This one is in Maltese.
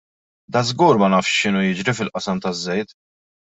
Dażgur ma nafx x'inhu jiġri fil-qasam taż-żejt!